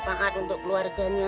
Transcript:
biar aku ambil untuk keluarganya